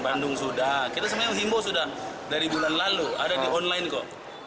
bandung sudah kita sebenarnya menghimbau sudah dari bulan lalu ada di online kok